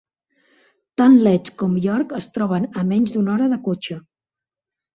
Tant Leeds com York es troben a menys d'una hora de cotxe.